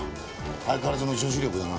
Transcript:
相変わらずの女子力だな。